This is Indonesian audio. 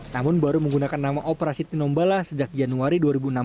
namun baru menggunakan nama operasi tinombala sejak januari dua ribu enam belas